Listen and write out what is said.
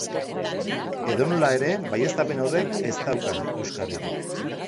Edonola ere, baieztapen horrek ez dauka euskarririk.